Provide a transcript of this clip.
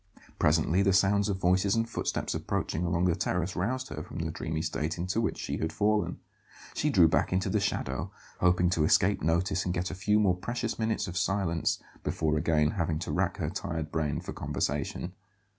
Presently the sounds of voices and footsteps approaching along the terrace roused her from the dreamy state into which she had fallen. She drew back into the shadow, hoping to escape notice and get a few more precious minutes of silence before again having to rack her tired brain for conversation.